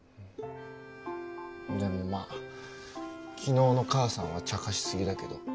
でもまあ昨日の母さんはちゃかしすぎだけど。